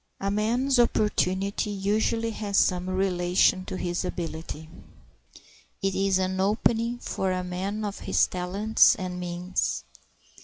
A man's opportunity usually has some relation to his ability. It is an opening for a man of his talents and means.